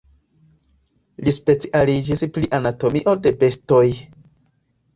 Li specialiĝis pri anatomio de bestoj.